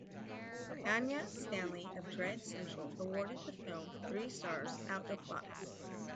Anya Stanley of Dread Central awarded the film three stars out of five.